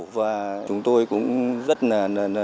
và chúng tôi cũng rất là